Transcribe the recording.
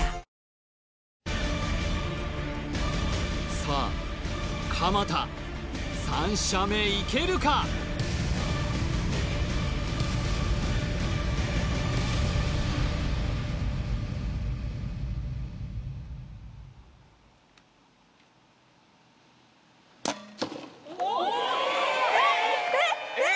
さあ鎌田３射目いけるかえっえっえっ？